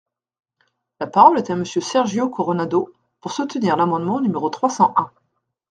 La parole est à Monsieur Sergio Coronado, pour soutenir l’amendement numéro trois cent un.